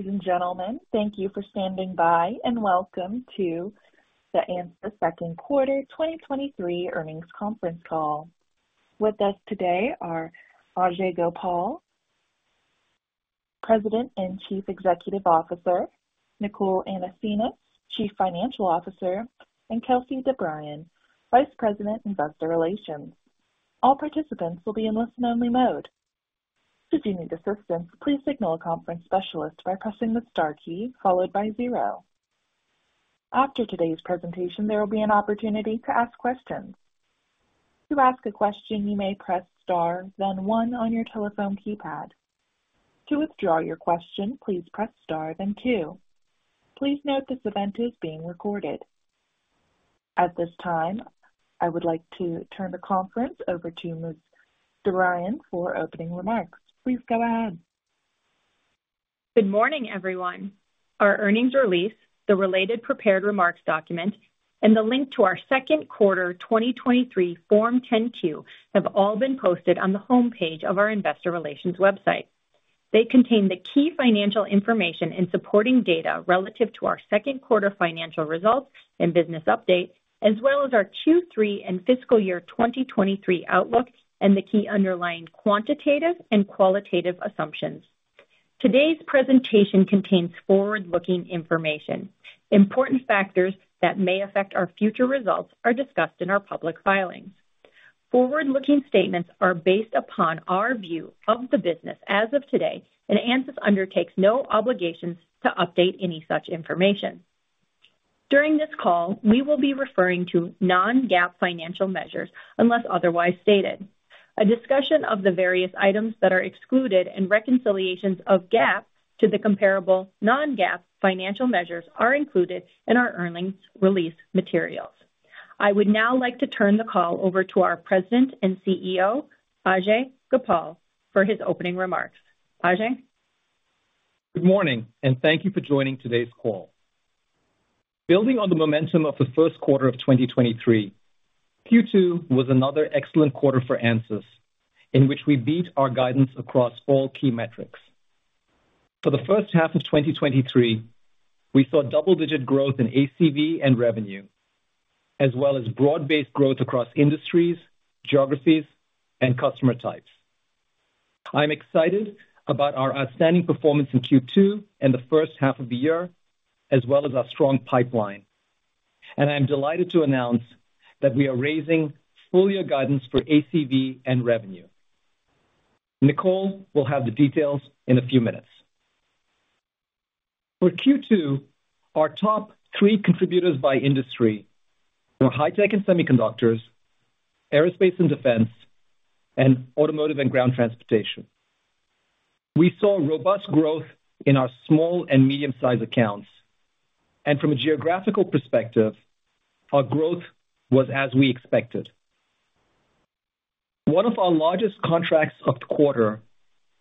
Ladies and gentlemen, thank you for standing by, and welcome to the Ansys Q2 2023 earnings conference call. With us today are Ajey Gopal, President and Chief Executive Officer, Nicole Anasenes, Chief Financial Officer, and Kelsey DeBriyn, Vice President, Investor Relations. All participants will be in listen-only mode. If you need assistance, please signal a conference specialist by pressing the star key followed by zero. After today's presentation, there will be an opportunity to ask questions. To ask a question, you may press Star, then one on your telephone keypad. To withdraw your question, please press Star, then two. Please note this event is being recorded. At this time, I would like to turn the conference over to Ms. DeBriyn for opening remarks. Please go ahead. Good morning, everyone. Our earnings release, the related prepared remarks document, and the link to our Q2 2023 Form 10-Q have all been posted on the homepage of our investor relations website. They contain the key financial information and supporting data relative to our Q2 financial results and business update, as well as our Q3 and fiscal year 2023 outlook and the key underlying quantitative and qualitative assumptions. Today's presentation contains forward-looking information. Important factors that may affect our future results are discussed in our public filings. Forward-looking statements are based upon our view of the business as of today, and Ansys undertakes no obligations to update any such information. During this call, we will be referring to non-GAAP financial measures, unless otherwise stated. A discussion of the various items that are excluded and reconciliations of GAAP to the comparable non-GAAP financial measures are included in our earnings release materials. I would now like to turn the call over to our President and CEO, Ajei Gopal, for his opening remarks. Ajei? Good morning, and thank you for joining today's call. Building on the momentum of the Q1 of 2023, Q2 was another excellent quarter for Ansys, in which we beat our guidance across all key metrics. For the first half of 2023, we saw double-digit growth in ACV and revenue, as well as broad-based growth across industries, geographies, and customer types. I'm excited about our outstanding performance in Q2 and the first half of the year, as well as our strong pipeline, and I'm delighted to announce that we are raising full-year guidance for ACV and revenue. Nicole will have the details in a few minutes. For Q2, our top three contributors by industry were high tech and semiconductors, aerospace and defense, and automotive and ground transportation. We saw robust growth in our small and medium-sized accounts. From a geographical perspective, our growth was as we expected. One of our largest contracts of the quarter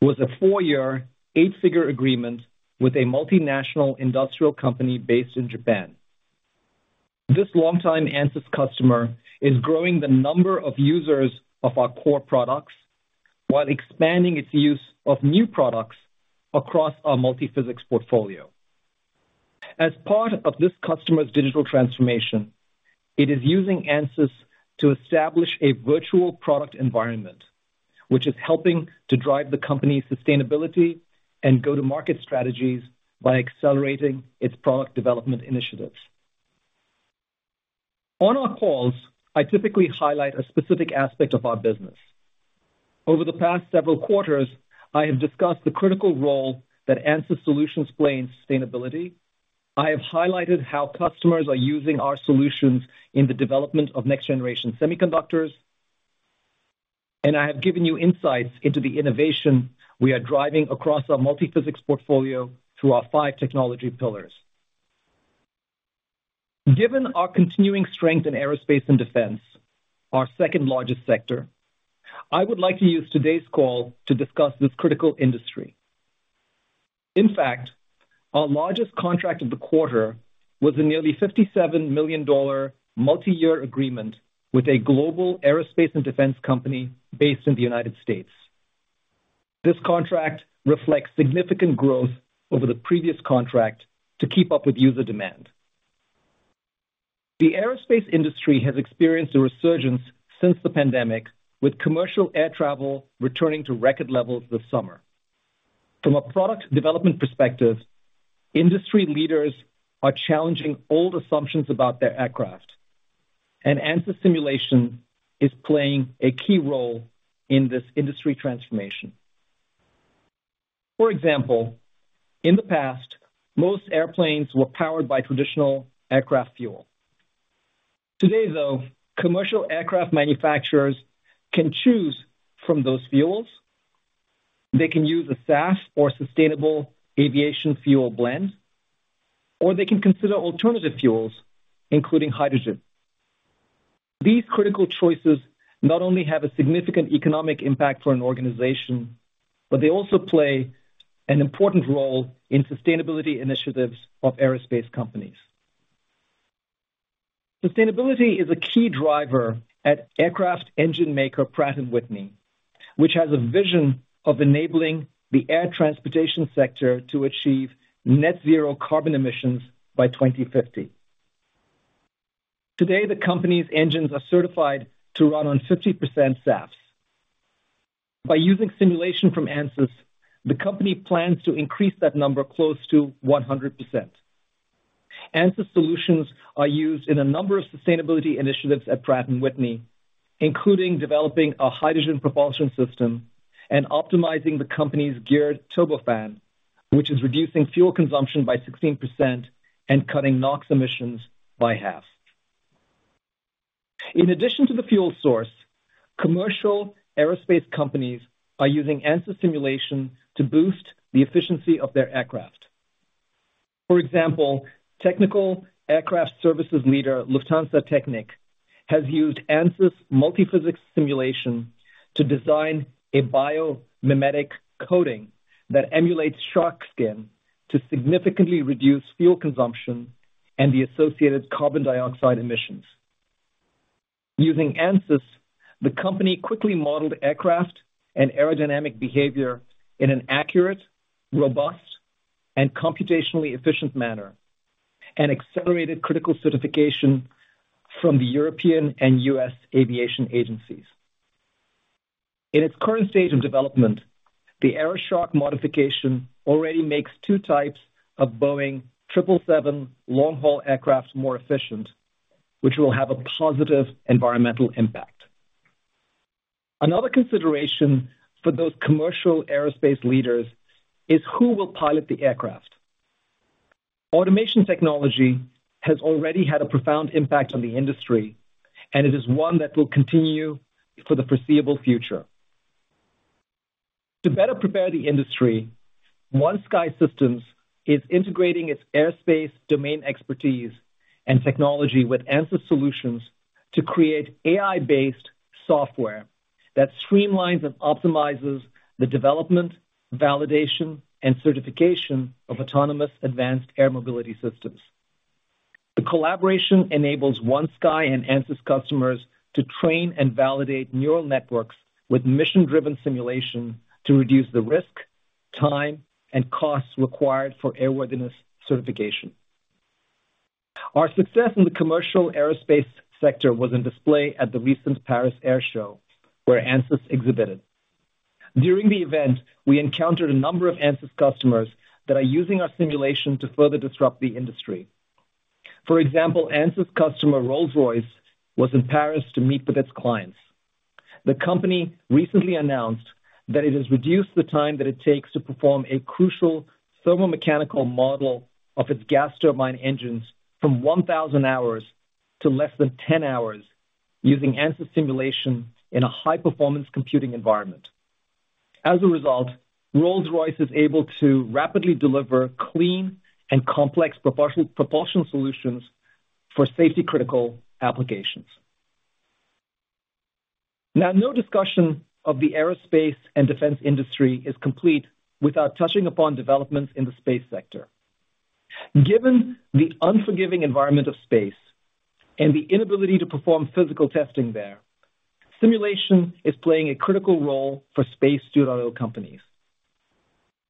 was a 4-year, 8-figure agreement with a multinational industrial company based in Japan. This longtime Ansys customer is growing the number of users of our core products while expanding its use of new products across our multiphysics portfolio. As part of this customer's digital transformation, it is using Ansys to establish a virtual product environment, which is helping to drive the company's sustainability and go-to-market strategies by accelerating its product development initiatives. On our calls, I typically highlight a specific aspect of our business. Over the past several quarters, I have discussed the critical role that Ansys solutions play in sustainability. I have highlighted how customers are using our solutions in the development of next-generation semiconductors, and I have given you insights into the innovation we are driving across our multiphysics portfolio through our five technology pillars. Given our continuing strength in aerospace and defense, our second-largest sector, I would like to use today's call to discuss this critical industry. In fact, our largest contract of the quarter was a nearly $57 million multi-year agreement with a global aerospace and defense company based in the United States. This contract reflects significant growth over the previous contract to keep up with user demand. The aerospace industry has experienced a resurgence since the pandemic, with commercial air travel returning to record levels this summer. From a product development perspective, industry leaders are challenging old assumptions about their aircraft, and Ansys simulation is playing a key role in this industry transformation. For example, in the past, most airplanes were powered by traditional aircraft fuel. Today, though, commercial aircraft manufacturers can choose from those fuels. They can use a SAF or Sustainable Aviation Fuel blend, or they can consider alternative fuels, including hydrogen. These critical choices not only have a significant economic impact for an organization, but they also play an important role in sustainability initiatives of aerospace companies.... Sustainability is a key driver at aircraft engine maker, Pratt & Whitney, which has a vision of enabling the air transportation sector to achieve net zero carbon emissions by 2050. Today, the company's engines are certified to run on 50% SAFs. By using simulation from Ansys, the company plans to increase that number close to 100%. Ansys solutions are used in a number of sustainability initiatives at Pratt & Whitney, including developing a hydrogen propulsion system and optimizing the company's geared turbofan, which is reducing fuel consumption by 16% and cutting NOx emissions by half. In addition to the fuel source, commercial aerospace companies are using Ansys simulation to boost the efficiency of their aircraft. For example, technical aircraft services leader, Lufthansa Technik, has used Ansys multiphysics simulation to design a biomimetic coating that emulates shark skin to significantly reduce fuel consumption and the associated carbon dioxide emissions. Using Ansys, the company quickly modeled aircraft and aerodynamic behavior in an accurate, robust, and computationally efficient manner, and accelerated critical certification from the European and US aviation agencies. In its current stage of development, the AeroSHARK modification already makes two types of Boeing triple seven long-haul aircraft more efficient, which will have a positive environmental impact. Another consideration for those commercial aerospace leaders is who will pilot the aircraft. Automation technology has already had a profound impact on the industry, and it is one that will continue for the foreseeable future. To better prepare the industry, OneSky Systems is integrating its airspace, domain expertise, and technology with Ansys solutions to create AI-based software that streamlines and optimizes the development, validation, and certification of autonomous advanced air mobility systems. The collaboration enables OneSky and Ansys customers to train and validate neural networks with mission-driven simulation to reduce the risk, time, and costs required for airworthiness certification. Our success in the commercial aerospace sector was on display at the recent Paris Air Show, where Ansys exhibited. During the event, we encountered a number of Ansys customers that are using our simulation to further disrupt the industry. For example, Ansys customer, Rolls-Royce, was in Paris to meet with its clients. The company recently announced that it has reduced the time that it takes to perform a crucial thermomechanical model of its gas turbine engines from 1,000 hours to less than 10 hours, using Ansys simulation in a high-performance computing environment. As a result, Rolls-Royce is able to rapidly deliver clean and complex propulsion solutions for safety-critical applications. No discussion of the aerospace and defense industry is complete without touching upon developments in the space sector. Given the unforgiving environment of space and the inability to perform physical testing there, simulation is playing a critical role for Space 2.0 companies.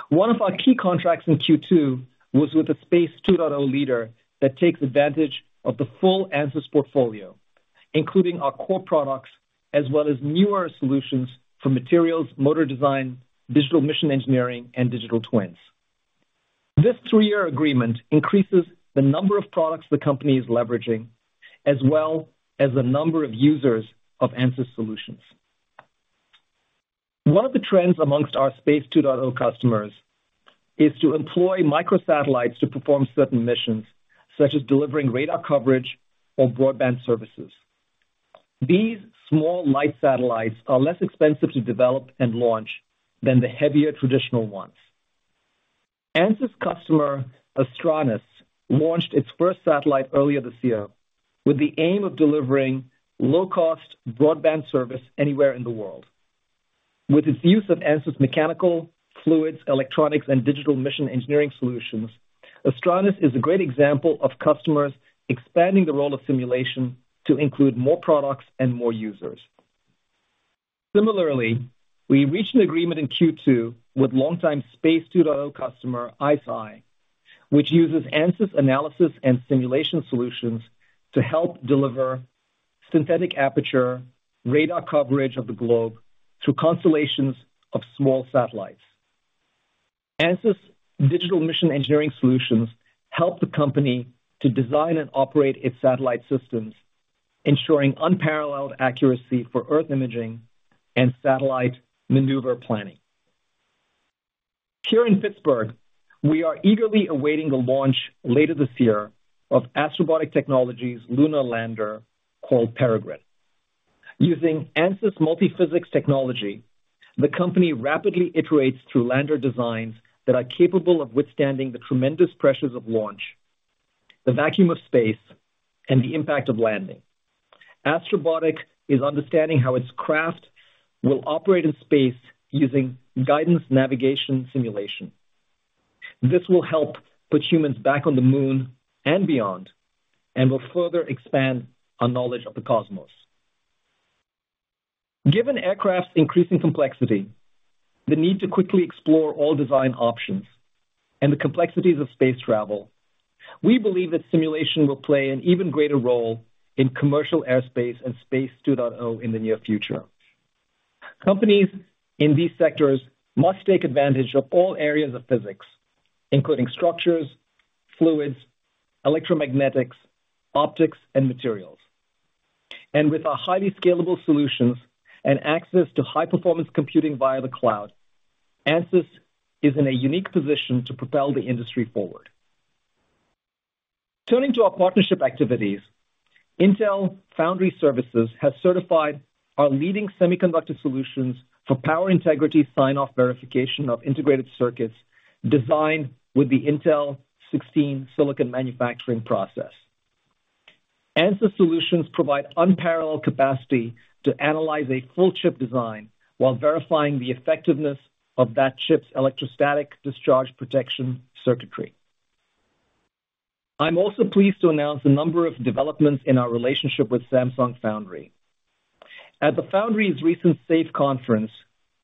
One of our key contracts in Q2 was with a Space 2.0 leader that takes advantage of the full Ansys portfolio, including our core products, as well as newer solutions for materials, motor design, digital mission engineering, and digital twins. This three-year agreement increases the number of products the company is leveraging, as well as the number of users of Ansys solutions. One of the trends amongst our Space 2.0 customers is to employ microsatellites to perform certain missions, such as delivering radar coverage or broadband services. These small light satellites are less expensive to develop and launch than the heavier traditional ones. Ansys customer, Astranis, launched its first satellite earlier this year with the aim of delivering low-cost broadband service anywhere in the world. With its use of Ansys Mechanical, fluids, electronics, and digital mission engineering solutions, Astranis is a great example of customers expanding the role of simulation to include more products and more users. Similarly, we reached an agreement in Q2 with longtime Space 2.0 customer, ICEYE, which uses Ansys analysis and simulation solutions to help deliver synthetic aperture radar coverage of the globe through constellations of small satellites. Ansys's digital mission engineering solutions help the company to design and operate its satellite systems, ensuring unparalleled accuracy for Earth imaging and satellite maneuver planning. Here in Pittsburgh, we are eagerly awaiting the launch later this year of Astrobotic Technology's lunar lander, called Peregrine. Using Ansys multiphysics technology, the company rapidly iterates through lander designs that are capable of withstanding the tremendous pressures of launch, the vacuum of space, and the impact of landing. Astrobotic is understanding how its craft will operate in space using guidance navigation simulation. This will help put humans back on the moon and beyond, and will further expand our knowledge of the cosmos. Given aircraft's increasing complexity, the need to quickly explore all design options, and the complexities of space travel, we believe that simulation will play an even greater role in commercial airspace and Space 2.0 in the near future. Companies in these sectors must take advantage of all areas of physics, including structures, fluids, electromagnetics, optics, and materials. With our highly scalable solutions and access to high-performance computing via the cloud, Ansys is in a unique position to propel the industry forward. Turning to our partnership activities, Intel Foundry Services has certified our leading semiconductor solutions for power integrity signoff verification of integrated circuits designed with the Intel 16 silicon manufacturing process. Ansys solutions provide unparalleled capacity to analyze a full chip design while verifying the effectiveness of that chip's electrostatic discharge protection circuitry. I'm also pleased to announce a number of developments in our relationship with Samsung Foundry. At the Foundry's recent SAFE Forum,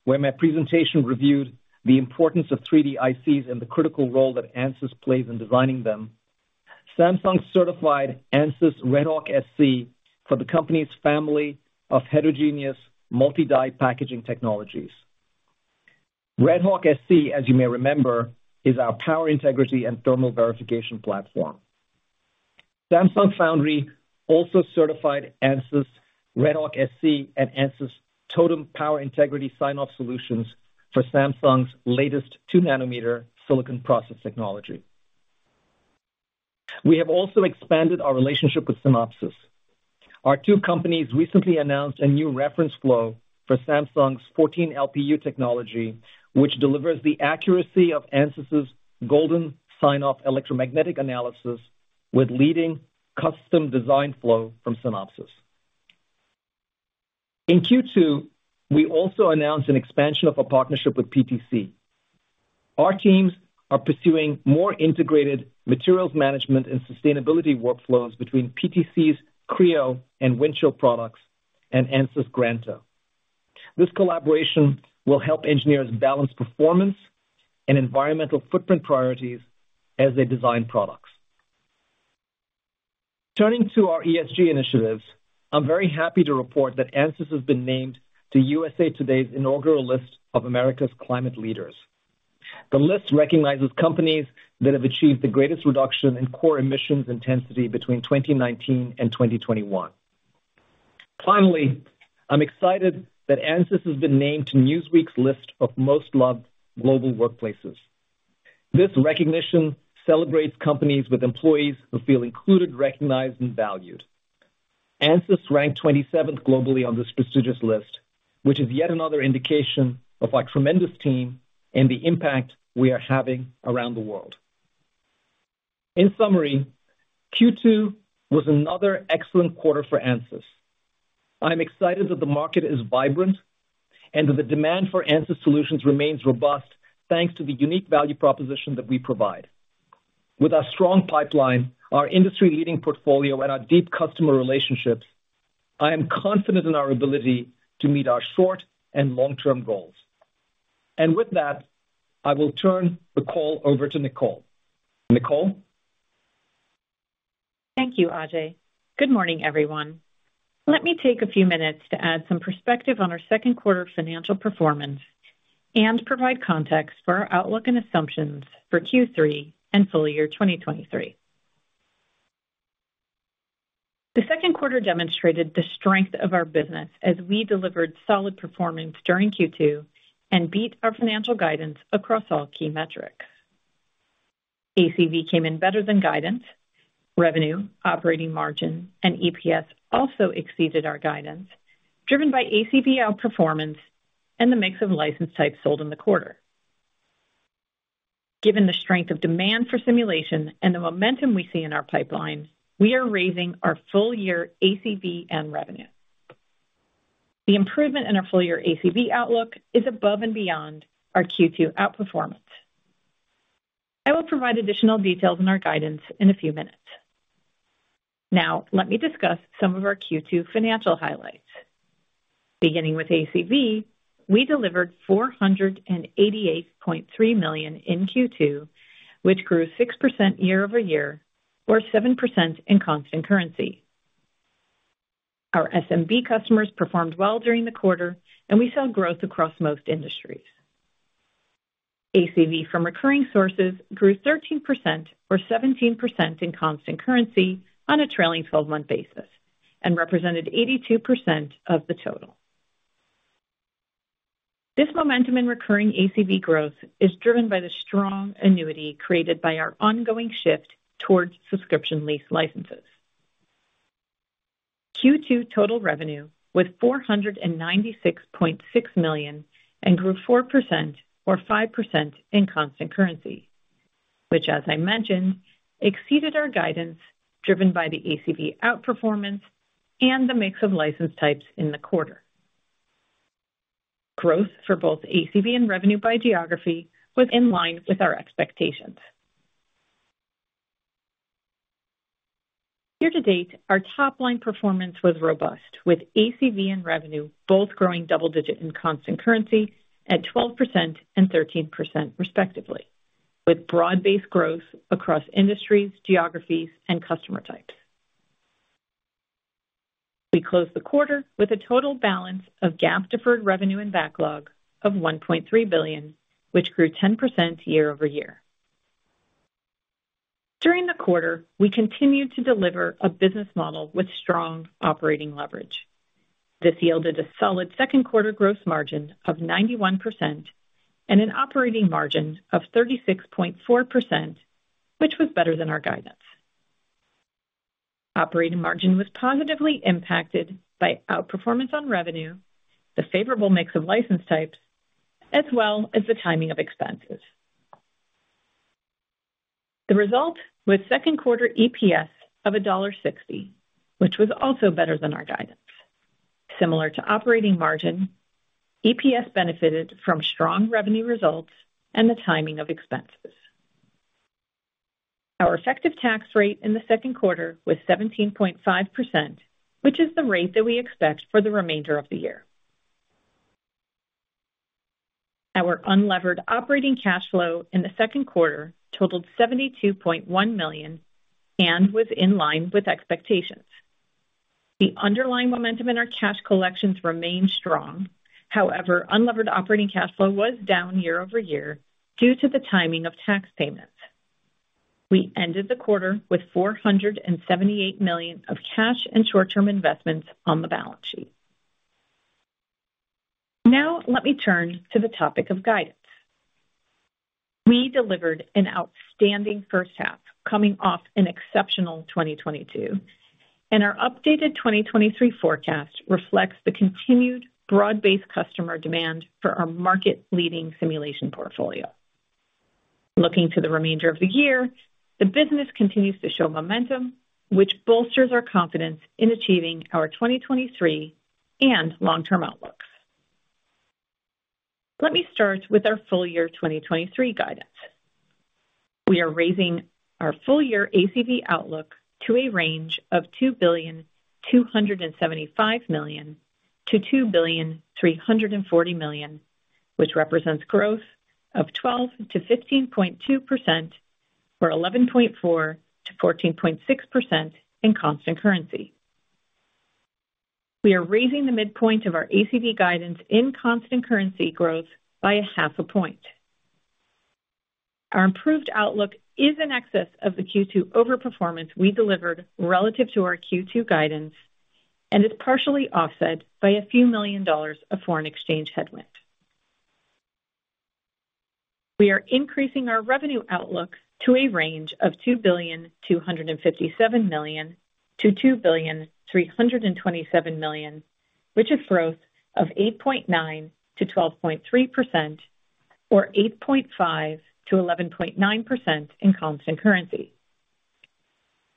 where my presentation reviewed the importance of 3D ICs and the critical role that Ansys plays in designing them, Samsung certified Ansys RedHawk-SC for the company's family of heterogeneous multi-die packaging technologies. RedHawk-SC, as you may remember, is our power, integrity, and thermal verification platform. Samsung Foundry also certified Ansys RedHawk-SC and Ansys Totem power integrity signoff solutions for Samsung's latest 2nm silicon process technology. We have also expanded our relationship with Synopsys. Our two companies recently announced a new reference flow for Samsung's 14LPU technology, which delivers the accuracy of Ansys's golden signoff electromagnetic analysis with leading custom design flow from Synopsys. In Q2, we also announced an expansion of our partnership with PTC. Our teams are pursuing more integrated materials management and sustainability workflows between PTC's Creo and Windchill products and Ansys Granta. This collaboration will help engineers balance performance and environmental footprint priorities as they design products. Turning to our ESG initiatives, I'm very happy to report that Ansys has been named to USA Today's inaugural list of America's Climate Leaders. The list recognizes companies that have achieved the greatest reduction in core emissions intensity between 2019 and 2021. Finally, I'm excited that Ansys has been named to Newsweek's list of Most Loved Global Workplaces. This recognition celebrates companies with employees who feel included, recognized, and valued. Ansys ranked 27th globally on this prestigious list, which is yet another indication of our tremendous team and the impact we are having around the world. In summary, Q2 was another excellent quarter for Ansys. I'm excited that the market is vibrant and that the demand for Ansys solutions remains robust, thanks to the unique value proposition that we provide. With our strong pipeline, our industry-leading portfolio, and our deep customer relationships, I am confident in our ability to meet our short- and long-term goals. With that, I will turn the call over to Nicole. Nicole? Thank you, Ajay. Good morning, everyone. Let me take a few minutes to add some perspective on our Q2financial performance and provide context for our outlook and assumptions for Q3 and full-year 2023. The Q2 demonstrated the strength of our business as we delivered solid performance during Q2 and beat our financial guidance across all key metrics. ACV came in better than guidance. Revenue, operating margin, and EPS also exceeded our guidance, driven by ACV outperformance and the mix of license types sold in the quarter. Given the strength of demand for simulation and the momentum we see in our pipeline, we are raising our full-year ACV and revenue. The improvement in our full-year ACV outlook is above and beyond our Q2 outperformance. I will provide additional details on our guidance in a few minutes. Now, let me discuss some of our Q2 financial highlights. Beginning with ACV, we delivered $488.3 million in Q2, which grew 6% year-over-year, or 7% in constant currency. Our SMB customers performed well during the quarter, and we saw growth across most industries. ACV from recurring sources grew 13%, or 17% in constant currency on a trailing twelve-month basis and represented 82% of the total. This momentum in recurring ACV growth is driven by the strong annuity created by our ongoing shift towards subscription lease licenses. Q2 total revenue was $496.6 million and grew 4% or 5% in constant currency, which, as I mentioned, exceeded our guidance, driven by the ACV outperformance and the mix of license types in the quarter. Growth for both ACV and revenue by geography was in line with our expectations. Year to date, our top line performance was robust, with ACV and revenue both growing double-digit in constant currency at 12% and 13% respectively, with broad-based growth across industries, geographies, and customer types. We closed the quarter with a total balance of GAAP deferred revenue and backlog of $1.3 billion, which grew 10% year-over-year. During the quarter, we continued to deliver a business model with strong operating leverage. This yielded a solid Q2 gross margin of 91% and an operating margin of 36.4%, which was better than our guidance. Operating margin was positively impacted by outperformance on revenue, the favorable mix of license types, as well as the timing of expenses. The result was Q2 EPS of $1.60, which was also better than our guidance. Similar to operating margin, EPS benefited from strong revenue results and the timing of expenses. Our effective tax rate in the Q2 was 17.5%, which is the rate that we expect for the remainder of the year. Our unlevered operating cash flow in the Q2 totaled $72.1 million and was in line with expectations. The underlying momentum in our cash collections remained strong. However, unlevered operating cash flow was down year-over-year due to the timing of tax payments. We ended the quarter with $478 million of cash and short-term investments on the balance sheet. Now let me turn to the topic of guidance. We delivered an outstanding first half, coming off an exceptional 2022, and our updated 2023 forecast reflects the continued broad-based customer demand for our market-leading simulation portfolio. Looking to the remainder of the year, the business continues to show momentum, which bolsters our confidence in achieving our 2023 and long-term outlooks. Let me start with our full year 2023 guidance. We are raising our full year ACV outlook to a range of $2.275 billion-$2.340 billion, which represents growth of 12%-15.2%, or 11.4%-14.6% in constant currency. We are raising the midpoint of our ACV guidance in constant currency growth by 0.5 points. Our improved outlook is in excess of the Q2 overperformance we delivered relative to our Q2 guidance, and is partially offset by a few million dollars of foreign exchange headwind. We are increasing our revenue outlook to a range of $2.257 billion-$2.327 billion, which is growth of 8.9%-12.3%, or 8.5%-11.9% in constant currency.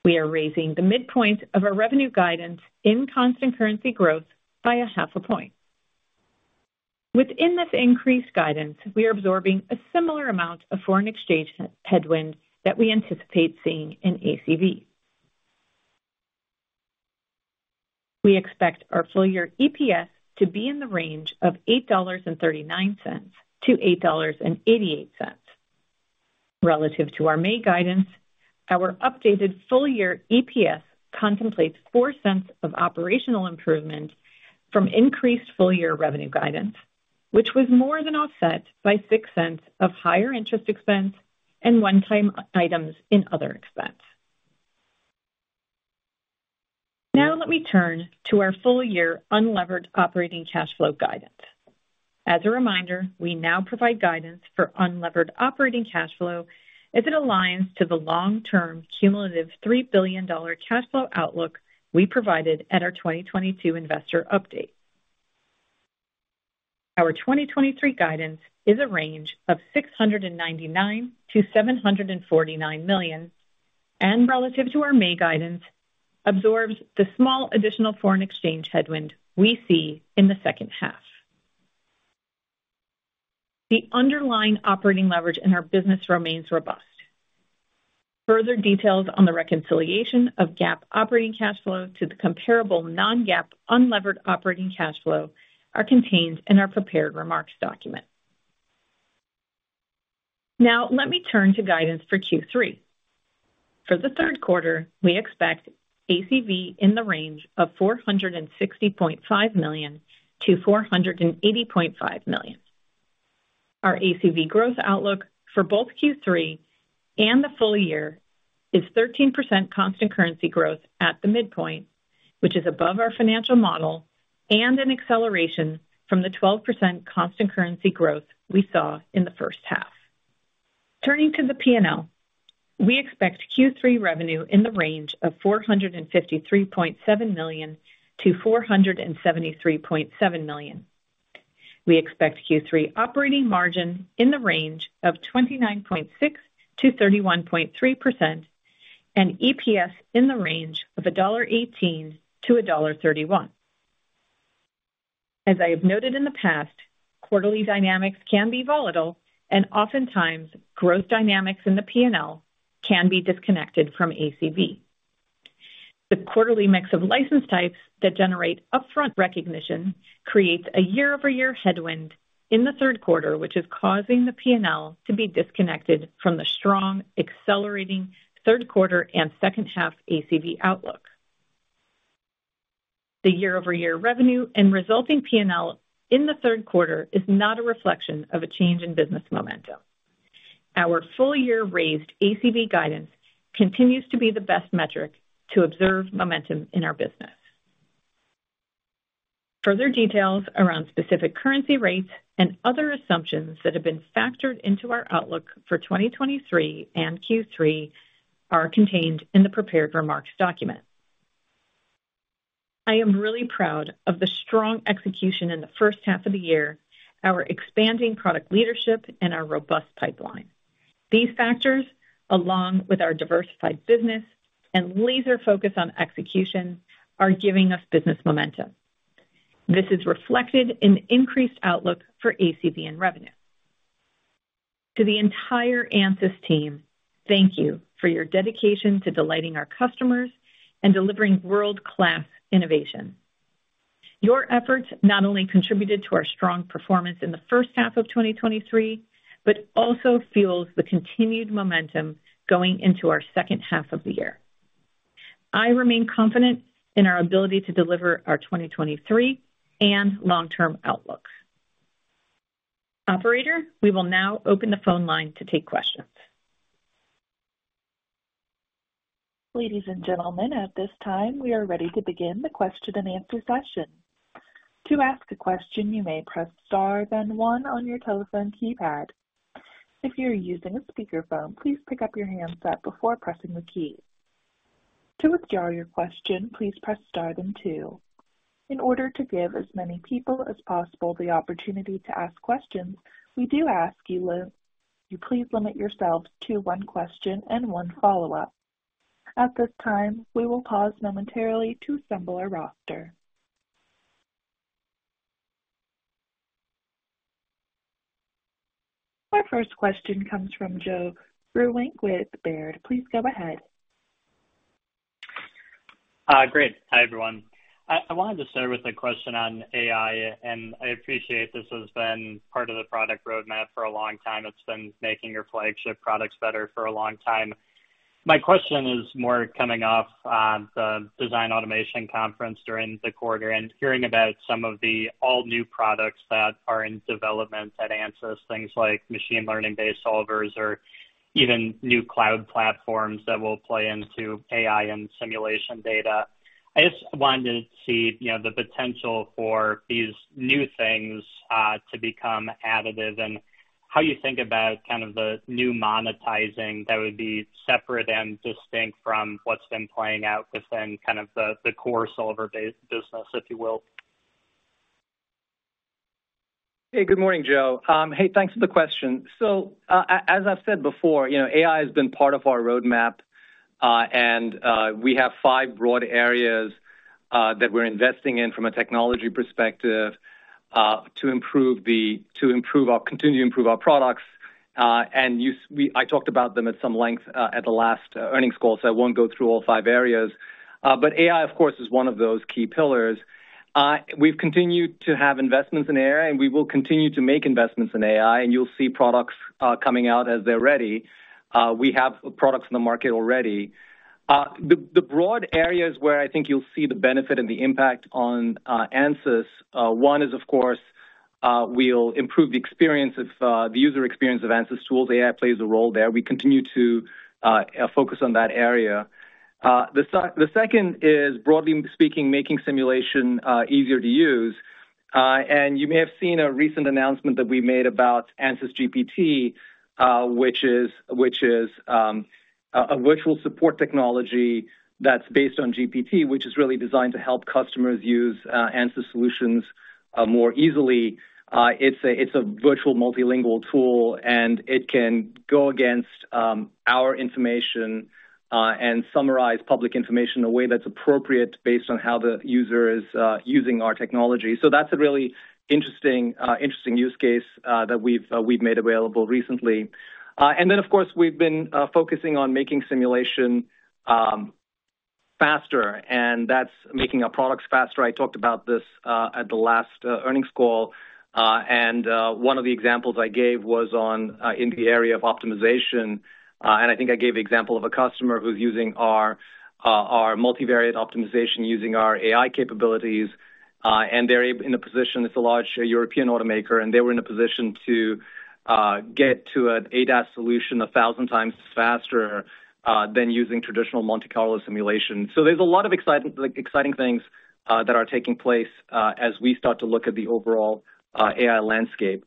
We are raising the midpoint of our revenue guidance in constant currency growth by a half a point. Within this increased guidance, we are absorbing a similar amount of foreign exchange headwind that we anticipate seeing in ACV. We expect our full year EPS to be in the range of $8.39-$8.88. Relative to our May guidance, our updated full year EPS contemplates $0.04 of operational improvement from increased full year revenue guidance, which was more than offset by $0.06 of higher interest expense and one-time items in other expense. Now let me turn to our full year unlevered operating cash flow guidance. As a reminder, we now provide guidance for unlevered operating cash flow as it aligns to the long-term cumulative $3 billion cash flow outlook we provided at our 2022 investor update. Our 2023 guidance is a range of $699 million-$749 million, relative to our May guidance, absorbs the small additional foreign exchange headwind we see in the second half. The underlying operating leverage in our business remains robust. Further details on the reconciliation of GAAP operating cash flow to the comparable non-GAAP unlevered operating cash flow are contained in our prepared remarks document. Now let me turn to guidance for Q3. For the third quarter, we expect ACV in the range of $460.5 million-$480.5 million. Our ACV growth outlook for both Q3 and the full year is 13% constant currency growth at the midpoint, which is above our financial model and an acceleration from the 12% constant currency growth we saw in the first half. Turning to the P&L, we expect Q3 revenue in the range of $453.7 million-$473.7 million. We expect Q3 operating margin in the range of 29.6%-31.3% and EPS in the range of $1.18-$1.31. As I have noted in the past, quarterly dynamics can be volatile, and oftentimes growth dynamics in the P&L can be disconnected from ACV. The quarterly mix of license types that generate upfront recognition creates a year-over-year headwind in the 3rd quarter, which is causing the P&L to be disconnected from the strong, accelerating Q3 and 2nd half ACV outlook. The year-over-year revenue and resulting P&L in the Q3 is not a reflection of a change in business momentum. Our full-year raised ACV guidance continues to be the best metric to observe momentum in our business. Further details around specific currency rates and other assumptions that have been factored into our outlook for 2023 and Q3 are contained in the prepared remarks document. I am really proud of the strong execution in the 1st half of the year, our expanding product leadership and our robust pipeline. These factors, along with our diversified business and laser focus on execution, are giving us business momentum. This is reflected in increased outlook for ACV and revenue. To the entire Ansys team, thank you for your dedication to delighting our customers and delivering world-class innovation. Your efforts not only contributed to our strong performance in the first half of 2023, but also fuels the continued momentum going into our second half of the year. I remain confident in our ability to deliver our 2023 and long-term outlooks. Operator, we will now open the phone line to take questions. Ladies and gentlemen, at this time, we are ready to begin the question-and-answer session. To ask a question, you may press star, then one on your telephone keypad. If you're using a speakerphone, please pick up your handset before pressing the key. To withdraw your question, please press star then two. In order to give as many people as possible the opportunity to ask questions, we do ask you please limit yourselves to one question and one follow-up. At this time, we will pause momentarily to assemble our roster. Our first question comes from Joe Vruwink with Baird. Please go ahead. Great. Hi, everyone. I wanted to start with a question on AI. I appreciate this has been part of the product roadmap for a long time. It's been making your flagship products better for a long time. My question is more coming off the Design Automation Conference during the quarter and hearing about some of the all-new products that are in development at Ansys, things like machine learning-based solvers or even new cloud platforms that will play into AI and simulation data. I just wanted to see, you know, the potential for these new things to become additive and how you think about kind of the new monetizing that would be separate and distinct from what's been playing out within kind of the, the core solver-based business, if you will. Hey, good morning, Joe. Hey, thanks for the question. As I've said before, you know, AI has been part of our roadmap, and we have 5 broad areas that we're investing in from a technology perspective to continue to improve our products. I talked about them at some length at the last earnings call, so I won't go through all 5 areas. AI, of course, is one of those key pillars. We've continued to have investments in AI, and we will continue to make investments in AI, and you'll see products coming out as they're ready. We have products in the market already. The, the broad areas where I think you'll see the benefit and the impact on Ansys, one is, of course, we'll improve the experience of the user experience of Ansys tools. AI plays a role there. We continue to focus on that area. The second is, broadly speaking, making simulation easier to use. And you may have seen a recent announcement that we made about AnsysGPT, which is, which is, a virtual support technology that's based on GPT, which is really designed to help customers use Ansys solutions more easily. It's a, it's a virtual multilingual tool, and it can go against our information and summarize public information in a way that's appropriate based on how the user is using our technology. That's a really interesting, interesting use case, that we've, we've made available recently. Then, of course, we've been focusing on making simulation faster, and that's making our products faster. I talked about this at the last earnings call, and one of the examples I gave was on in the area of optimization. I think I gave the example of a customer who's using our, our multivariate optimization, using our AI capabilities, and they're in a position, it's a large European automaker, and they were in a position to get to an ADAS solution 1,000 times faster than using traditional Monte Carlo simulation. There's a lot of exciting, like, exciting things that are taking place as we start to look at the overall AI landscape.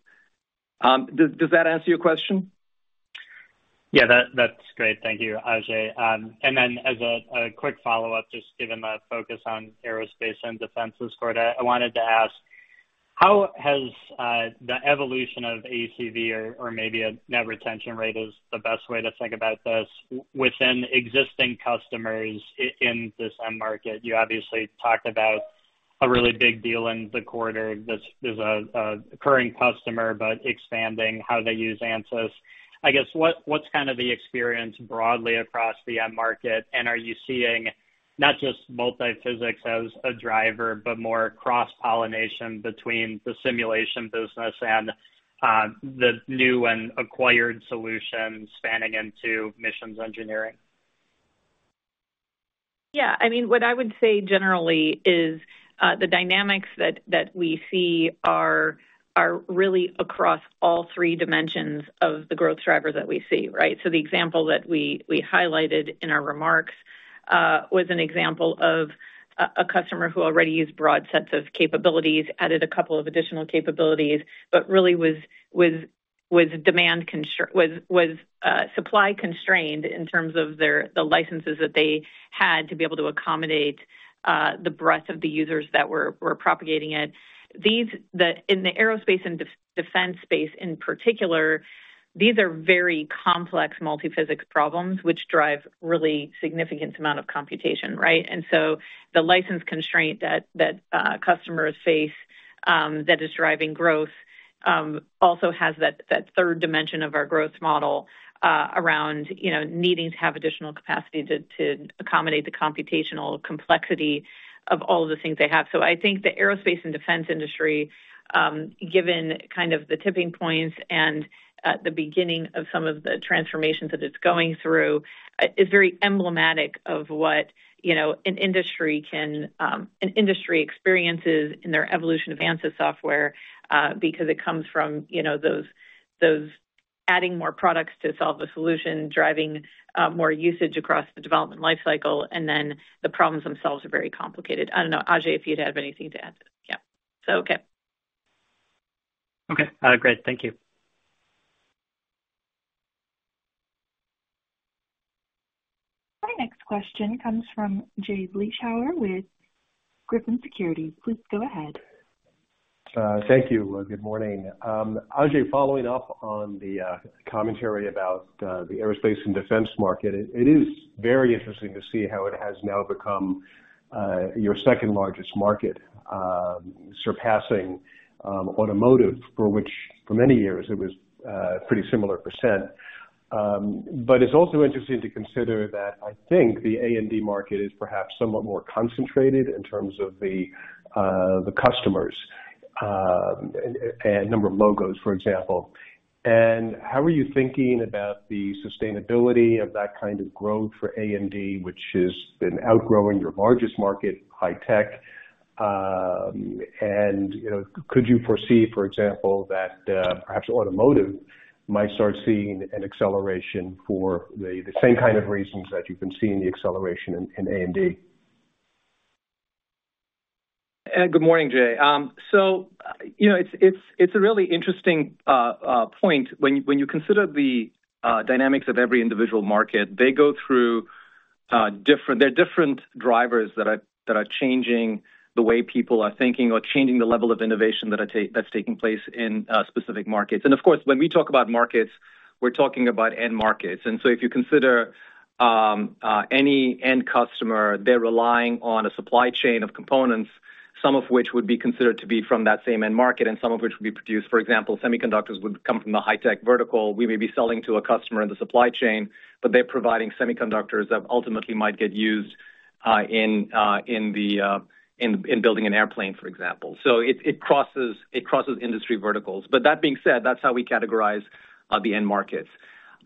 Does that answer your question? Yeah, that, that's great. Thank you, Ajay. As a quick follow-up, just given the focus on aerospace and defense this quarter, how has the evolution of ACV or, or maybe a net retention rate is the best way to think about this, within existing customers in this end market? You obviously talked about a really big deal in the quarter. This is a, a current customer, but expanding how they use Ansys. I guess, what, what's kind of the experience broadly across the end market? Are you seeing not just multiphysics as a driver, but more cross-pollination between the simulation business and the new and acquired solutions spanning into missions engineering? Yeah, I mean, what I would say generally is, the dynamics that we see are really across all 3 dimensions of the growth driver that we see, right? The example that we highlighted in our remarks was an example of a customer who already used broad sets of capabilities, added a couple of additional capabilities, but really was supply constrained in terms of their the licenses that they had to be able to accommodate the breadth of the users that were propagating it. In the aerospace and defense space in particular, these are very complex multiphysics problems, which drive really significant amount of computation, right? The license constraint that, that, customers face, that is driving growth, also has that, that third dimension of our growth model, around, you know, needing to have additional capacity to, to accommodate the computational complexity of all of the things they have. I think the aerospace and defense industry, given kind of the tipping points and, the beginning of some of the transformations that it's going through, is very emblematic of what, you know, an industry can, an industry experiences in their evolution of Ansys software, because it comes from, you know, those, those adding more products to solve a solution, driving, more usage across the development lifecycle, and then the problems themselves are very complicated. I don't know, Ajay, if you'd have anything to add to that? Yeah. Okay. Okay, great. Thank you. Our next question comes from Jay Vleeschhouwer with Griffin Securities. Please go ahead. Thank you. Good morning. Ajay, following up on the commentary about the aerospace and defense market, it is very interesting to see how it has now become your second-largest market, surpassing automotive, for which for many years it was pretty similar %. But it's also interesting to consider that I think the A&D market is perhaps somewhat more concentrated in terms of the customers and number of logos, for example. How are you thinking about the sustainability of that kind of growth for A&D, which has been outgrowing your largest market, high tech? And, you know, could you foresee, for example, that perhaps automotive might start seeing an acceleration for the same kind of reasons that you've been seeing the acceleration in A&D? Good morning, Jay. You know, it's, it's, it's a really interesting, point when, when you consider the, dynamics of every individual market. They go through. There are different drivers that are, that are changing the way people are thinking or changing the level of innovation that's taking place in specific markets. Of course, when we talk about markets, we're talking about end markets. If you consider any end customer, they're relying on a supply chain of components, some of which would be considered to be from that same end market and some of which would be produced. For example, semiconductors would come from the high tech vertical. We may be selling to a customer in the supply chain, but they're providing semiconductors that ultimately might get used in building an airplane, for example. It, it crosses, it crosses industry verticals. That being said, that's how we categorize the end markets.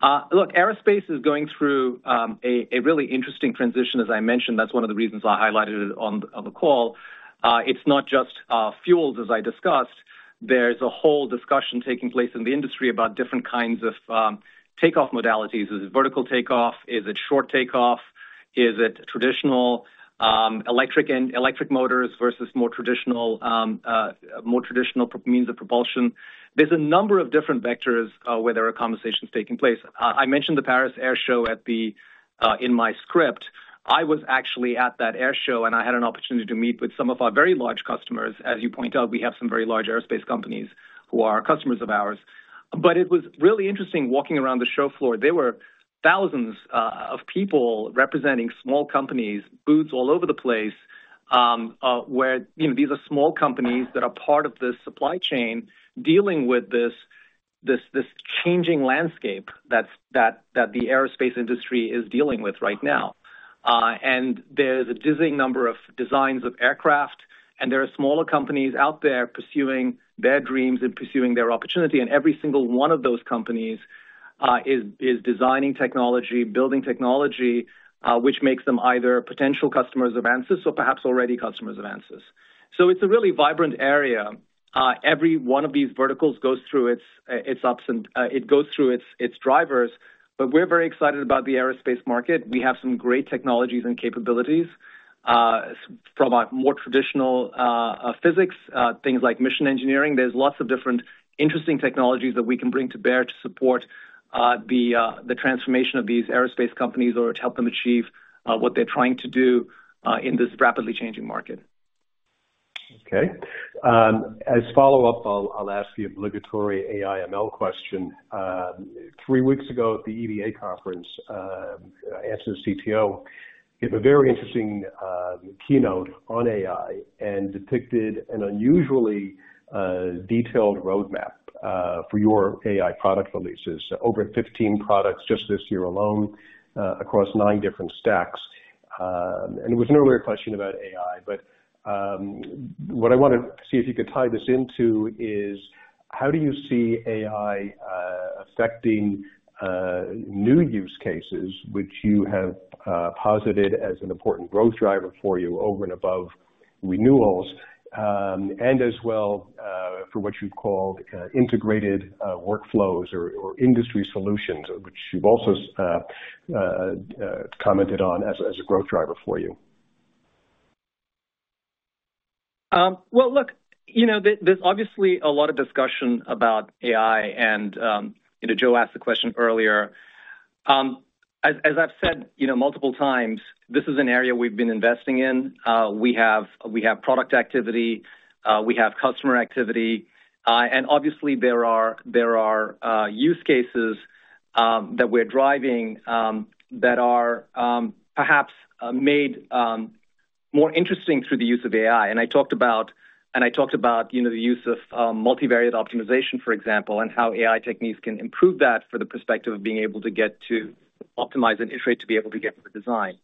Look, aerospace is going through a really interesting transition. As I mentioned, that's one of the reasons I highlighted it on the call. It's not just fuels, as I discussed. There's a whole discussion taking place in the industry about different kinds of takeoff modalities. Is it vertical takeoff? Is it short takeoff? Is it traditional, electric and electric motors versus more traditional, more traditional means of propulsion? There's a number of different vectors where there are conversations taking place. I mentioned the Paris Air Show in my script. I was actually at that air show, and I had an opportunity to meet with some of our very large customers. As you point out, we have some very large aerospace companies who are customers of ours. It was really interesting walking around the show floor. There were thousands of people representing small companies, booths all over the place, where, you know, these are small companies that are part of this supply chain, dealing with this, this, this changing landscape that's, that, that the aerospace industry is dealing with right now. There's a dizzying number of designs of aircraft, and there are smaller companies out there pursuing their dreams and pursuing their opportunity. Every single one of those companies is designing technology, building technology, which makes them either potential customers of Ansys or perhaps already customers of Ansys. It's a really vibrant area. Every one of these verticals goes through its ups and it goes through its drivers, but we're very excited about the aerospace market. We have some great technologies and capabilities from a more traditional physics, things like mission engineering. There's lots of different interesting technologies that we can bring to bear to support the transformation of these aerospace companies or to help them achieve what they're trying to do in this rapidly changing market. Okay. As a follow-up, I'll, I'll ask the obligatory AI/ML question. Three weeks ago at the EDA conference, Ansys CTO, gave a very interesting keynote on AI and depicted an unusually detailed roadmap for your AI product releases. Over 15 products just this year alone, across 9 different stacks. It was an earlier question about AI, but what I want to see if you could tie this into is: How do you see AI affecting new use cases, which you have posited as an important growth driver for you over and above renewals, and as well, for what you've called integrated workflows or, or industry solutions, which you've also commented on as a growth driver for you? Well, look, you know, there, there's obviously a lot of discussion about AI, and, you know, Joe asked the question earlier. As, as I've said, you know, multiple times, this is an area we've been investing in. We have, we have product activity, we have customer activity, and obviously, there are, there are, use cases, that we're driving, that are, perhaps, made, more interesting through the use of AI. I talked about, and I talked about, you know, the use of, multivariate optimization, for example, and how AI techniques can improve that for the perspective of being able to get to optimize an iterate to be able to get to the design.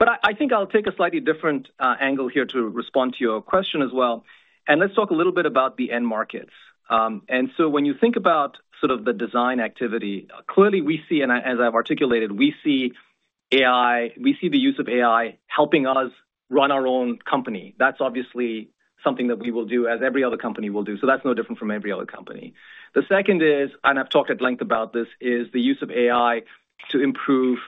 I, I think I'll take a slightly different angle here to respond to your question as well, and let's talk a little bit about the end markets. When you think about sort of the design activity, clearly, we see, and as I've articulated, we see AI-- we see the use of AI helping us run our own company. That's obviously something that we will do as every other company will do, so that's no different from every other company. The second is, and I've talked at length about this, is the use of AI to improve,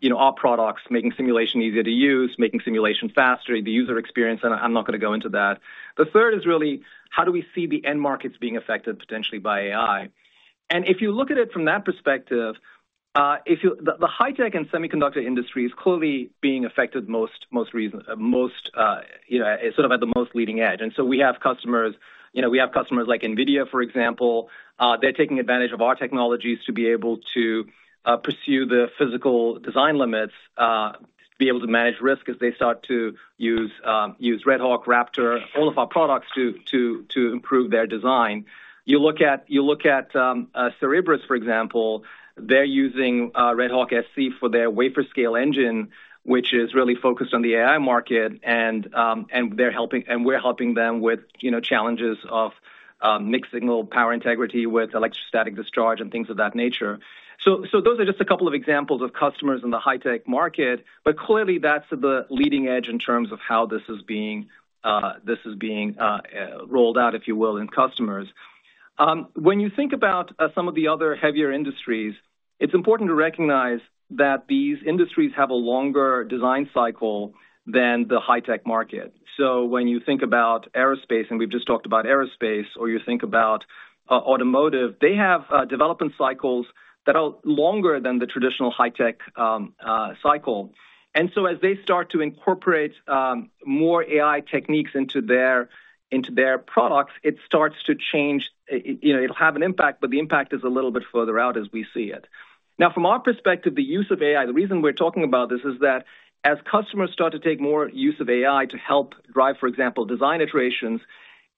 you know, our products, making simulation easier to use, making simulation faster, the user experience, and I'm not gonna go into that. The third is really: How do we see the end markets being affected potentially by AI? If you look at it from that perspective, the high tech and semiconductor industry is clearly being affected most, you know, sort of at the most leading edge. We have customers, you know, we have customers like NVIDIA, for example. They're taking advantage of our technologies to be able to pursue the physical design limits, to be able to manage risk as they start to use RedHawk, Raptor, all of our products, to, to, to improve their design. You look at, you look at Cerebras, for example, they're using RedHawk-SC for their Wafer-Scale Engine, which is really focused on the AI market, and we're helping them with, you know, challenges of mixed-signal, power integrity with electrostatic discharge and things of that nature. So those are just a couple of examples of customers in the high-tech market, but clearly, that's the leading edge in terms of how this is being rolled out, if you will, in customers. When you think about some of the other heavier industries, it's important to recognize that these industries have a longer design cycle than the high-tech market. When you think about aerospace, and we've just talked about aerospace, or you think about automotive, they have development cycles that are longer than the traditional high tech cycle. As they start to incorporate more AI techniques into their, into their products, it starts to change. You know, it'll have an impact, but the impact is a little bit further out as we see it. Now, from our perspective, the use of AI, the reason we're talking about this is that as customers start to take more use of AI to help drive, for example, design iterations,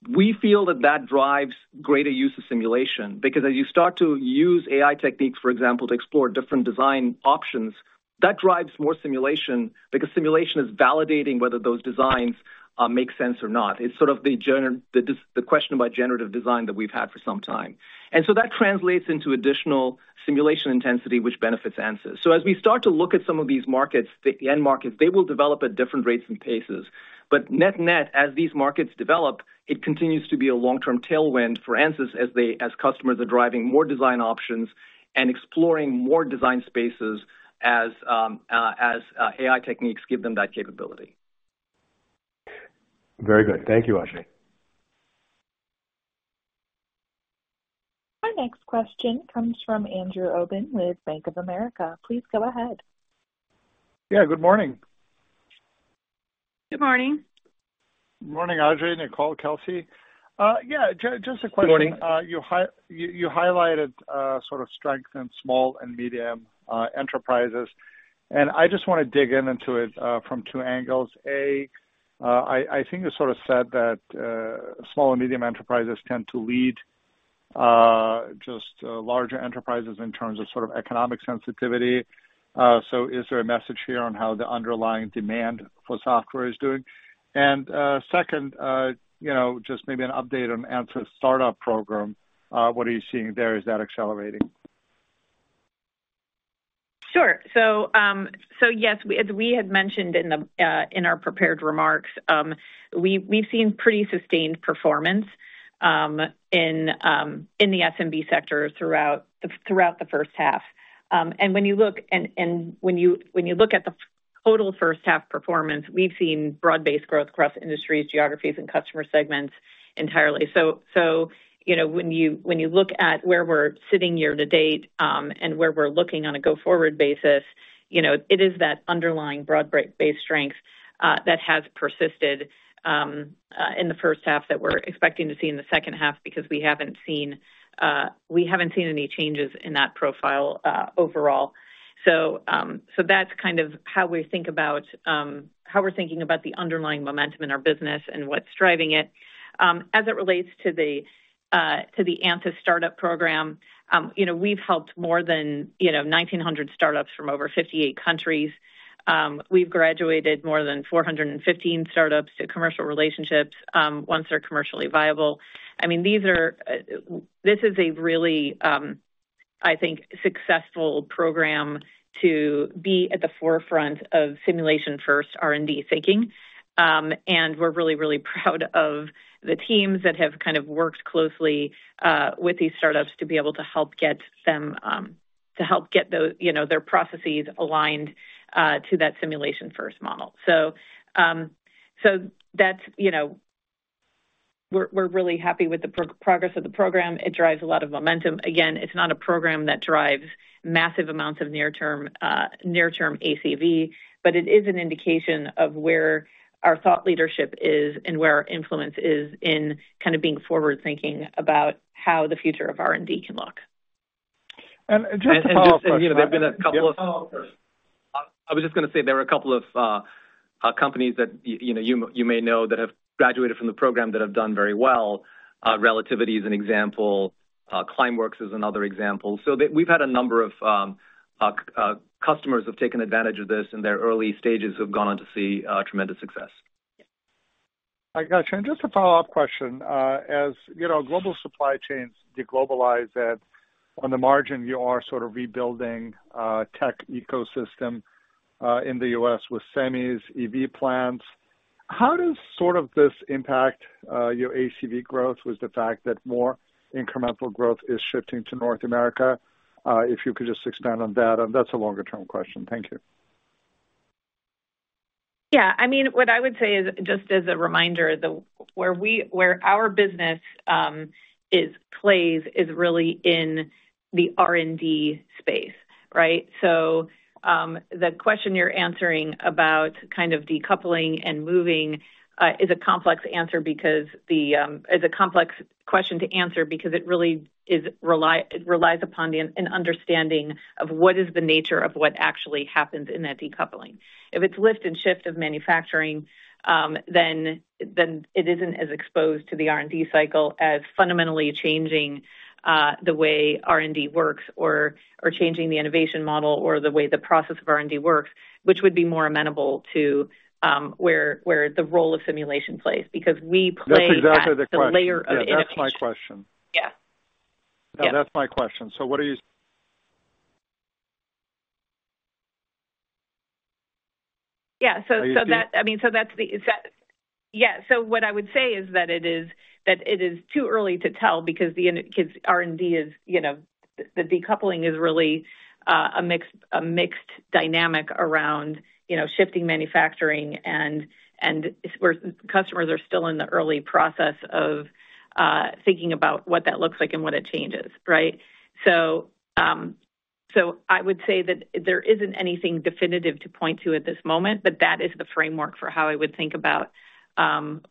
we feel that that drives greater use of simulation. Because as you start to use AI techniques, for example, to explore different design options, that drives more simulation, because simulation is validating whether those designs make sense or not. It's sort of the question about generative design that we've had for some time. So that translates into additional simulation intensity, which benefits Ansys. As we start to look at some of these markets, the end markets, they will develop at different rates and paces. Net-net, as these markets develop, it continues to be a long-term tailwind for Ansys as customers are driving more design options and exploring more design spaces as AI techniques give them that capability. Very good. Thank you, Ajay. Our next question comes from Andrew Obin with Bank of America. Please go ahead. Yeah, good morning. Good morning. Morning, Ajay, Nicole, Kelsey. Yeah, just a question. Good morning. You highlighted, sort of strength in small and medium enterprises, and I just want to dig in into it, from two angles. A, I, I think you sort of said that, small and medium enterprises tend to lead, just, larger enterprises in terms of sort of economic sensitivity. Is there a message here on how the underlying demand for software is doing? Second, you know, just maybe an update on Ansys Startup Program. What are you seeing there? Is that accelerating? Sure. Yes, as we had mentioned in the in our prepared remarks, we, we've seen pretty sustained performance in in the SMB sector throughout the throughout the first half. When you look and, and when you, when you look at the total first half performance, we've seen broad-based growth across industries, geographies, and customer segments entirely. You know, when you, when you look at where we're sitting year to date, and where we're looking on a go-forward basis, you know, it is that underlying broad-based strength that has persisted in the first half that we're expecting to see in the second half because we haven't seen we haven't seen any changes in that profile overall. That's kind of how we think about, how we're thinking about the underlying momentum in our business and what's driving it. As it relates to the Ansys Startup Program, you know, we've helped more than, you know, 1,900 startups from over 58 countries. We've graduated more than 415 startups to commercial relationships, once they're commercially viable. I mean, these are, this is a really, I think, successful program to be at the forefront of simulation-first R&D thinking. We're really, really proud of the teams that have kind of worked closely with these startups to be able to help get them, to help get those, you know, their processes aligned to that simulation-first model. That's, you know... We're really happy with the progress of the program. It drives a lot of momentum. Again, it's not a program that drives massive amounts of near-term, near-term ACV, but it is an indication of where our thought leadership is and where our influence is in kind of being forward-thinking about how the future of R&D can look. Just to follow up. You know, there have been a couple. Yeah, follow up first. I was just gonna say there are a couple of companies that you know, you may know, that have graduated from the program that have done very well. Relativity is an example, Climeworks is another example. We've had a number of customers who have taken advantage of this in their early stages, who have gone on to see tremendous success. I got you. Just a follow-up question. As you know, global supply chains, deglobalize that on the margin, you are sort of rebuilding tech ecosystem in the U.S. with semis, EV plants. How does sort of this impact your ACV growth with the fact that more incremental growth is shifting to North America? If you could just expand on that, and that's a longer-term question. Thank you. Yeah, I mean, what I would say is, just as a reminder, where our business is, plays is really in the R&D space, right? The question you're answering about kind of decoupling and moving is a complex answer because Is a complex question to answer because it really relies upon an understanding of what is the nature of what actually happens in that decoupling. If it's lift and shift of manufacturing, then, then it isn't as exposed to the R&D cycle as fundamentally changing the way R&D works or, or changing the innovation model, or the way the process of R&D works, which would be more amenable to where, where the role of simulation plays, because we play at- That's exactly the question. The layer of innovation. Yeah, that's my question. Yeah. No, that's my question. What are you- Yeah. Are you- I mean, that's the, is that... Yeah, what I would say is that it is, that it is too early to tell because 'cause R&D is, you know, the decoupling is really a mixed, a mixed dynamic around, you know, shifting manufacturing and, and where customers are still in the early process of thinking about what that looks like and what it changes, right? I would say that there isn't anything definitive to point to at this moment, but that is the framework for how I would think about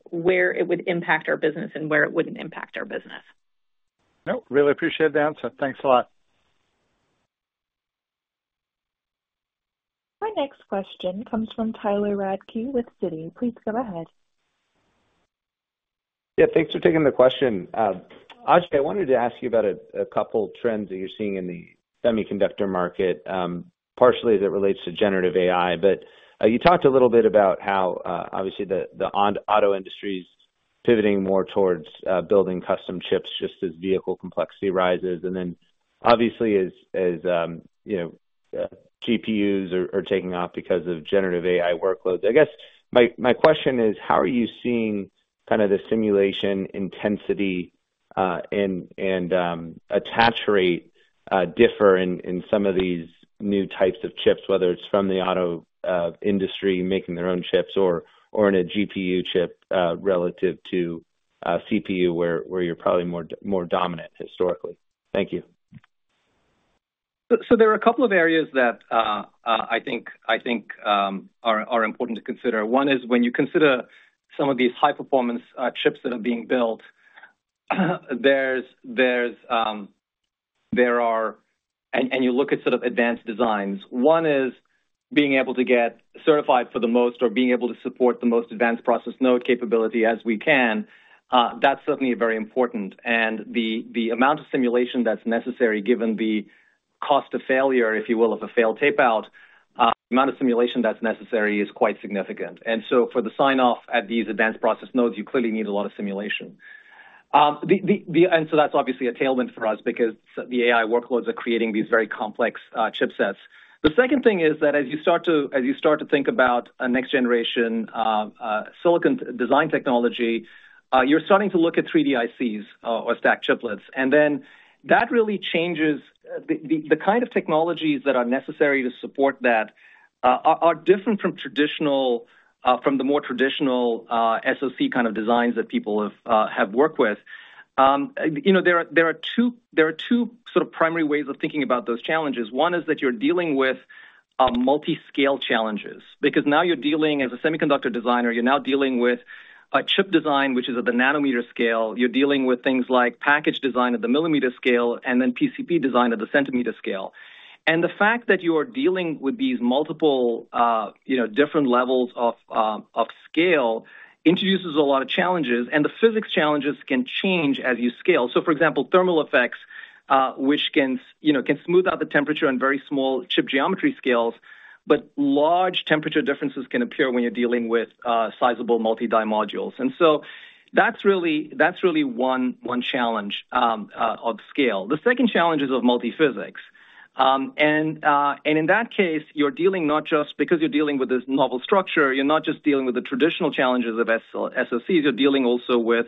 where it would impact our business and where it wouldn't impact our business. Nope. Really appreciate the answer. Thanks a lot. Our next question comes from Tyler Radke with Citi. Please go ahead. Yeah, thanks for taking the question. Arij, I wanted to ask you about 2 trends that you're seeing in the semiconductor market, partially as it relates to generative AI. You talked a little bit about how obviously the auto industry's pivoting more towards building custom chips just as vehicle complexity rises. Obviously, as, as, you know, GPUs are taking off because of generative AI workloads. I guess my question is: how are you seeing kind of the simulation intensity and attach rate differ in some of these new types of chips, whether it's from the auto industry making their own chips or in a GPU chip relative to CPU, where you're probably more dominant historically? Thank you. There are a couple of areas that, I think, I think, are important to consider. One is when you consider some of these high-performance chips that are being built, there's, there's, there are. You look at sort of advanced designs. One is being able to get certified for the most or being able to support the most advanced process node capability as we can. That's certainly very important. The, the amount of simulation that's necessary, given the cost of failure, if you will, of a failed tape out, the amount of simulation that's necessary is quite significant. For the sign-off at these advanced process nodes, you clearly need a lot of simulation. The, the, that's obviously a tailwind for us because the AI workloads are creating these very complex chipsets. The second thing is that as you start to, as you start to think about a next-generation, silicon design technology, you're starting to look at 3D ICs, or stack chiplets, and then that really changes. The kind of technologies that are necessary to support that are different from traditional, from the more traditional SOC kind of designs that people have worked with. You know, there are two, there are two sort of primary ways of thinking about those challenges. One is that you're dealing with multi-scale challenges, because now you're dealing as a semiconductor designer, you're now dealing with a chip design, which is at the nanometer scale. You're dealing with things like package design at the millimeter scale, and then PCB design at the centimeter scale. The fact that you are dealing with these multiple, you know, different levels of scale, introduces a lot of challenges, and the physics challenges can change as you scale. For example, thermal effects, which can, you know, can smooth out the temperature on very small chip geometry scales, but large temperature differences can appear when you're dealing with sizable multi-die modules. That's really, that's really one, one challenge of scale. The second challenge is of multiphysics. In that case, you're dealing not just because you're dealing with this novel structure, you're not just dealing with the traditional challenges of SOC, SOCs, you're dealing also with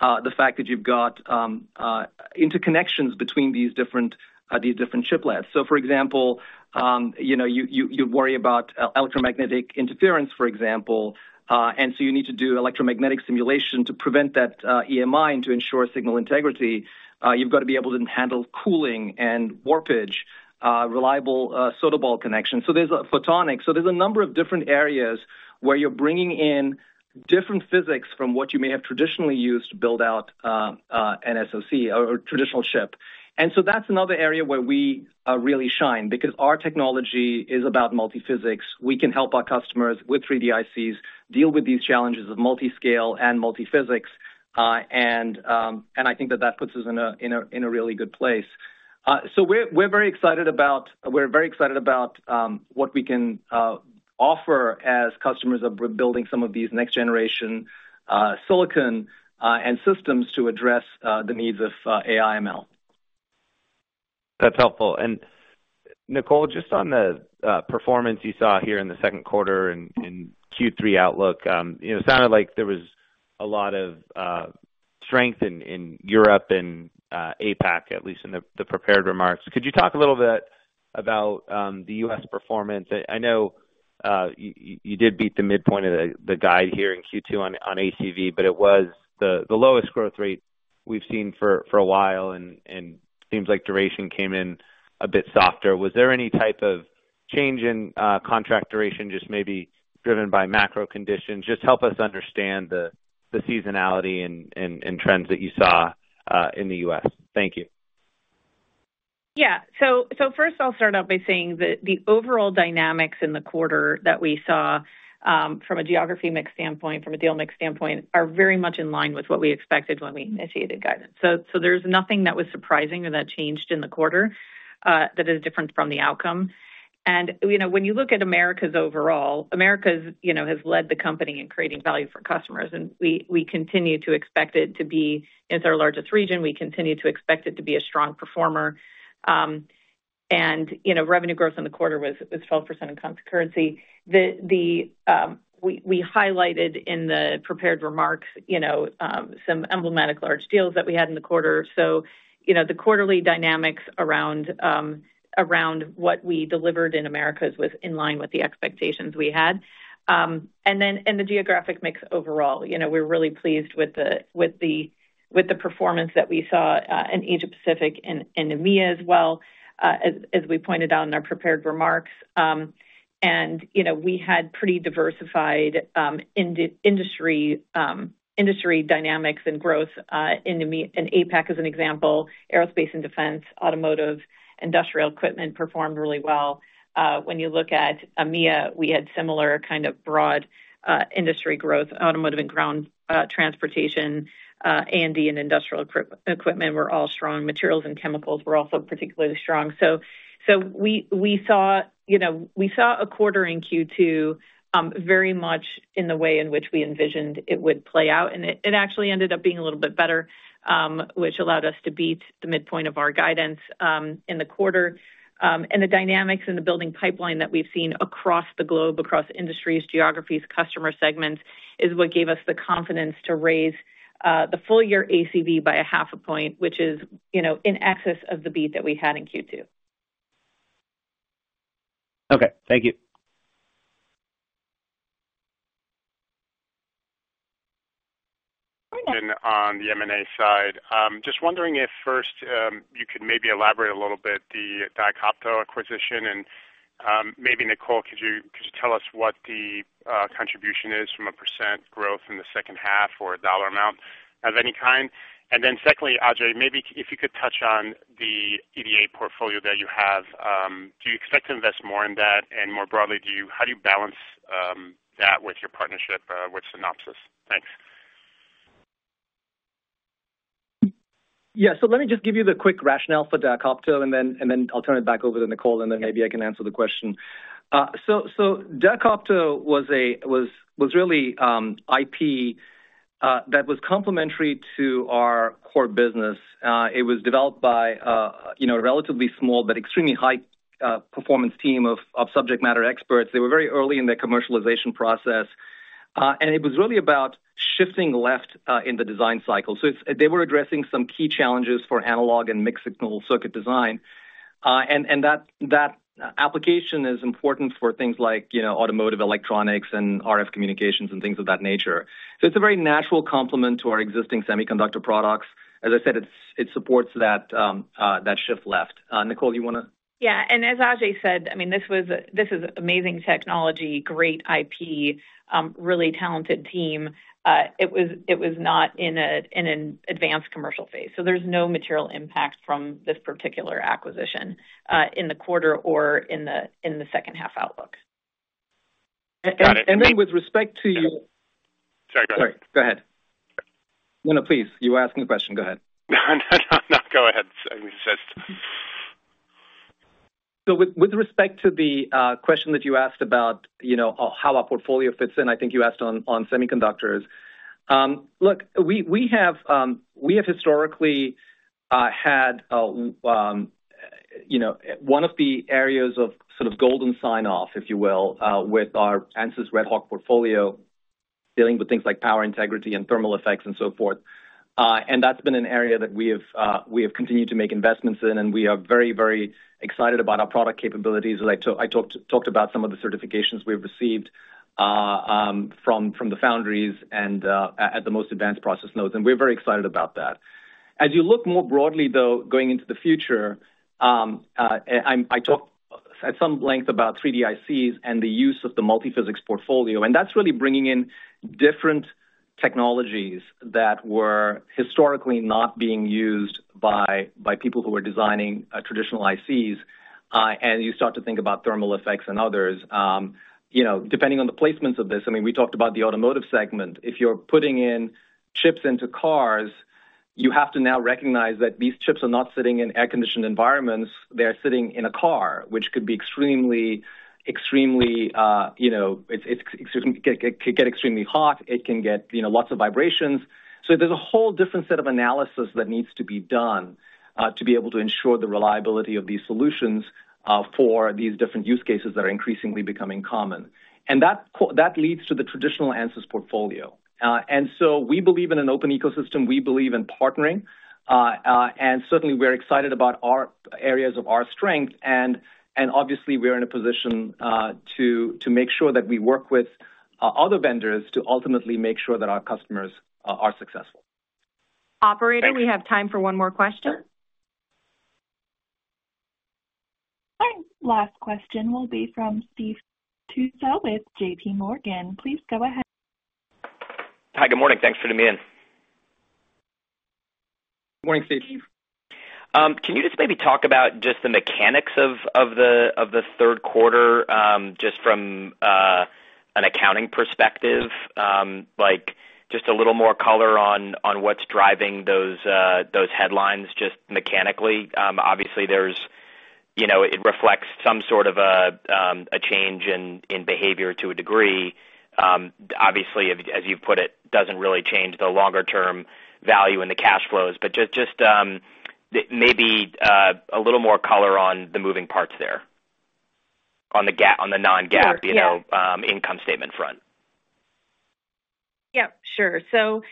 the fact that you've got interconnections between these different, these different chiplets. For example, you know, you, you, you worry about electromagnetic interference, for example. You need to do electromagnetic simulation to prevent that EMI and to ensure signal integrity. You've got to be able to handle cooling and warpage, reliable solder ball connections. So there's a photonic. There's a number of different areas where you're bringing in different physics from what you may have traditionally used to build out an SOC or traditional chip. That's another area where we really shine, because our technology is about multiphysics. We can help our customers with 3D ICs, deal with these challenges of multi-scale and multiphysics. I think that that puts us in a really good place. We're very excited about... We're very excited about what we can offer as customers of building some of these next generation silicon and systems to address the needs of AI/ML. That's helpful. Nicole, just on the performance you saw here in the second quarter and in Q3 outlook, you know, it sounded like there was a lot of strength in Europe and APAC, at least in the prepared remarks. Could you talk a little bit about the U.S. performance? I know you did beat the midpoint of the guide here in Q2 on ACV, but it was the lowest growth rate we've seen for a while, and seems like duration came in a bit softer. Was there any type of change in contract duration, just maybe driven by macro conditions? Just help us understand the seasonality and trends that you saw in the U.S. Thank you. Yeah. First I'll start out by saying that the overall dynamics in the quarter that we saw, from a geography mix standpoint, from a deal mix standpoint, are very much in line with what we expected when we initiated guidance. There's nothing that was surprising or that changed in the quarter that is different from the outcome. You know, when you look at Americas overall, Americas, you know, has led the company in creating value for customers, and we, we continue to expect it to be, it's our largest region. We continue to expect it to be a strong performer. You know, revenue growth in the quarter was 12% in constant currency. We highlighted in the prepared remarks, you know, some emblematic large deals that we had in the quarter. You know, the quarterly dynamics around, around what we delivered in Americas was in line with the expectations we had. The geographic mix overall, you know, we're really pleased with the performance that we saw in Asia Pacific and in EMEA as well, as we pointed out in our prepared remarks. You know, we had pretty diversified industry dynamics and growth in the EMEA and APAC as an example, aerospace and defense, automotive, industrial equipment performed really well. When you look at EMEA, we had similar kind of broad industry growth, automotive and ground transportation, A&E and industrial equipment were all strong. Materials and chemicals were also particularly strong. We, we saw, you know, we saw a quarter in Q2, very much in the way in which we envisioned it would play out. It, it actually ended up being a little bit better, which allowed us to beat the midpoint of our guidance, in the quarter. The dynamics in the building pipeline that we've seen across the globe, across industries, geographies, customer segments, is what gave us the confidence to raise the full year ACV by 0.5 point, which is, you know, in excess of the beat that we had in Q2. Okay, thank you. On the M&A side, just wondering if first, you could maybe elaborate a little bit the Diakopto acquisition, and maybe, Nicole, could you, could you tell us what the contribution is from a % growth in the second half or a $ amount of any kind? Secondly, Ajay, maybe if you could touch on the EDA portfolio that you have, do you expect to invest more in that? More broadly, how do you balance that with your partnership, with Synopsys? Thanks. Yeah. Let me just give you the quick rationale for Diakopto, and then, and then I'll turn it back over to Nicole, and then maybe I can answer the question. Diakopto was a, was, was really IP that was complementary to our core business. It was developed by, you know, a relatively small but extremely high performance team of subject matter experts. They were very early in their commercialization process. It was really about shifting left in the design cycle. They were addressing some key challenges for analog and mixed-signal circuit design. That, that application is important for things like, you know, automotive electronics and RF communications and things of that nature. It's a very natural complement to our existing semiconductor products. As I said, it supports that shift left. Nicole, you wanna? Yeah, as Ajay said, I mean, this was this is amazing technology, great IP, really talented team. It was, it was not in an advanced commercial phase, so there's no material impact from this particular acquisition, in the quarter or in the second half outlook. Got it. With respect. Sorry, go ahead. Sorry, go ahead. No, no, please. You were asking the question. Go ahead. No, go ahead. I was just... With, with respect to the question that you asked about, you know, how our portfolio fits in, I think you asked on, on semiconductors. Look, we, we have, we have historically had, you know, one of the areas of sort of golden signoff, if you will, with our Ansys RedHawk portfolio, dealing with things like power integrity and thermal effects and so forth. That's been an area that we have, we have continued to make investments in, and we are very, very excited about our product capabilities. I talked, I talked, talked about some of the certifications we've received from, from the foundries and at the most advanced process nodes, and we're very excited about that. As you look more broadly, though, going into the future, I, I talked at some length about 3D ICs and the use of the multiphysics portfolio. That's really bringing in different technologies that were historically not being used by, by people who were designing, traditional ICs. You start to think about thermal effects and others, you know, depending on the placements of this. I mean, we talked about the automotive segment. If you're putting in chips into cars, you have to now recognize that these chips are not sitting in air-conditioned environments. They are sitting in a car, which could be extremely, extremely, you know, it's, it's, it could get extremely hot. It can get, you know, lots of vibrations. There's a whole different set of analysis that needs to be done to be able to ensure the reliability of these solutions for these different use cases that are increasingly becoming common. That leads to the traditional Ansys portfolio. We believe in an open ecosystem. We believe in partnering, and certainly we're excited about our areas of our strength. Obviously we are in a position to make sure that we work with other vendors to ultimately make sure that our customers are successful. Operator, we have time for one more question. Our last question will be from Stephen Tusa with J.P. Morgan. Please go ahead. Hi, good morning. Thanks for letting me in. Morning, Steve. Can you just maybe talk about just the mechanics of, of the, of the third quarter, just from an accounting perspective? Like, just a little more color on what's driving those headlines, just mechanically. Obviously there's, you know, it reflects some sort of a change in behavior to a degree. Obviously, as you put it, doesn't really change the longer term value in the cash flows, but just, just maybe a little more color on the moving parts there. On the non-GAAP- Yeah. You know, income statement front. Yeah, sure. So,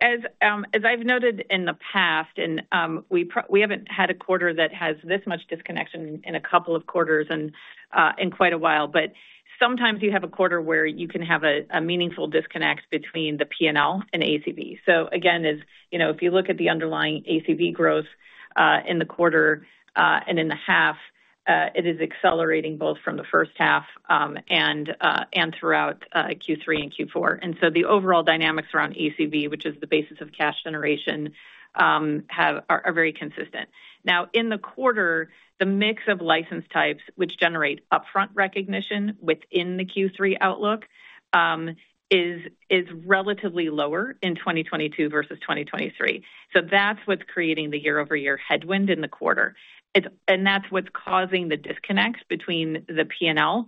as I've noted in the past, and, we haven't had a quarter that has this much disconnection in a couple of quarters and, in quite a while, but sometimes you have a quarter where you can have a, a meaningful disconnect between the PNL and ACV. Again, as you know, if you look at the underlying ACV growth, in the quarter, and in the half, it is accelerating both from the first half, and, and throughout, Q3 and Q4. The overall dynamics around ACV, which is the basis of cash generation, are very consistent. Now, in the quarter, the mix of license types, which generate upfront recognition within the Q3 outlook, is, is relatively lower in 2022 versus 2023. That's what's creating the year-over-year headwind in the quarter. That's what's causing the disconnect between the PNL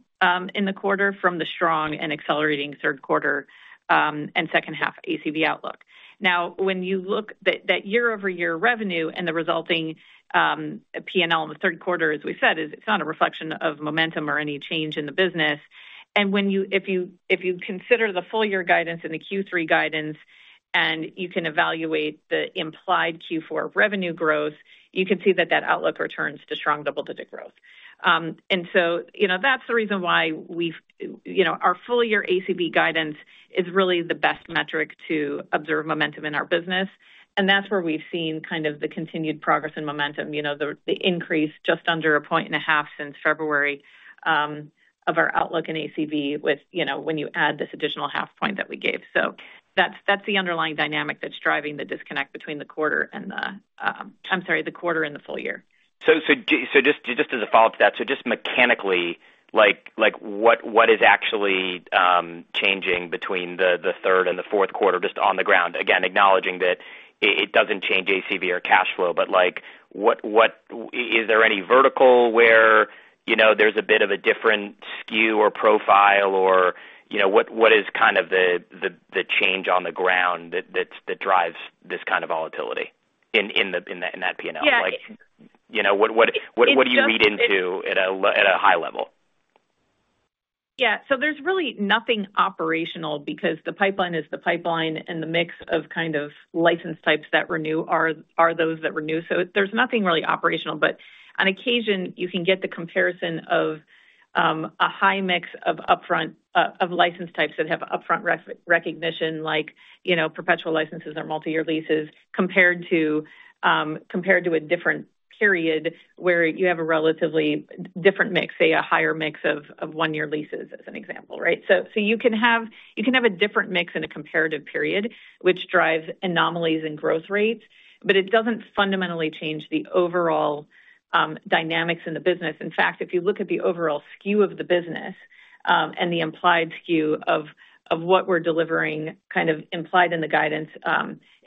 in the quarter from the strong and accelerating third quarter and second half ACV outlook. Now, when you look that, that year-over-year revenue and the resulting PNL in the third quarter, as we said, is it's not a reflection of momentum or any change in the business. If you consider the full year guidance and the Q3 guidance, and you can evaluate the implied Q4 revenue growth, you can see that that outlook returns to strong double-digit growth. You know, that's the reason why we've, you know, our full year ACV guidance is really the best metric to observe momentum in our business. That's where we've seen kind of the continued progress and momentum, you know, the, the increase just under 1.5 points since February, of our outlook in ACV with, you know, when you add this additional 0.5 points that we gave. That's, that's the underlying dynamic that's driving the disconnect between the quarter and the, I'm sorry, the quarter and the full year. Just, just as a follow-up to that, so just mechanically, like, what is actually changing between the third and the fourth quarter, just on the ground? Again, acknowledging that it doesn't change ACV or cash flow, but, like, what, is there any vertical where, you know, there's a bit of a different SKU or profile or, you know, what is kind of the change on the ground that drives this kind of volatility in that PNL? Yeah. You know, what, what, what do you read into at a high level? Yeah, there's really nothing operational because the pipeline is the pipeline, and the mix of kind of license types that renew are those that renew. There's nothing really operational, but on occasion, you can get the comparison of a high mix of upfront of license types that have upfront recognition, like, you know, perpetual licenses or multiyear leases, compared to compared to a different period where you have a relatively different mix, say, a higher mix of, of one-year leases, as an example, right. You can have, you can have a different mix in a comparative period, which drives anomalies and growth rates, but it doesn't fundamentally change the overall dynamics in the business. In fact, if you look at the overall SKU of the business, and the implied SKU of, of what we're delivering, kind of implied in the guidance,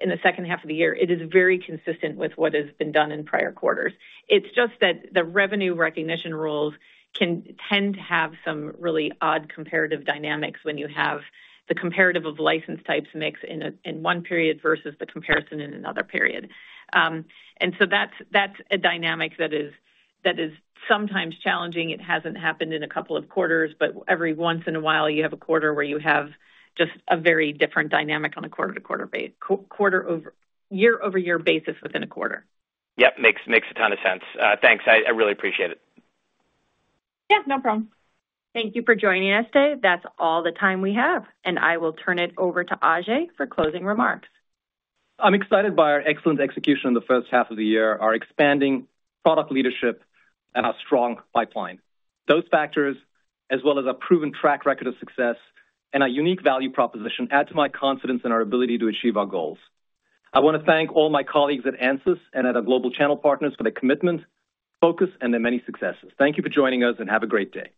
in the second half of the year, it is very consistent with what has been done in prior quarters. It's just that the revenue recognition rules can tend to have some really odd comparative dynamics when you have the comparative of license types mix in one period versus the comparison in another period. So that's, that's a dynamic that is, that is sometimes challenging. It hasn't happened in a couple of quarters, but every once in a while, you have a quarter where you have just a very different dynamic on a quarter-to-quarter base, quarter over... year-over-year basis within a quarter. Yep, makes, makes a ton of sense. Thanks. I, I really appreciate it. Yeah, no problem. Thank you for joining us today. That's all the time we have, and I will turn it over to Ajay for closing remarks. I'm excited by our excellent execution in the first half of the year, our expanding product leadership, and our strong pipeline. Those factors, as well as a proven track record of success and a unique value proposition, add to my confidence in our ability to achieve our goals. I want to thank all my colleagues at Ansys and at our global channel partners for their commitment, focus, and their many successes. Thank you for joining us, and have a great day.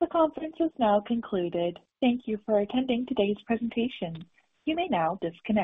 The conference is now concluded. Thank you for attending today's presentation. You may now disconnect.